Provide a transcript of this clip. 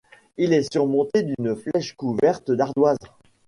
Il est surmonté d'une flèche couverte d'ardoises.